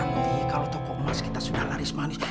nanti kalau toko emas kita sudah laris manis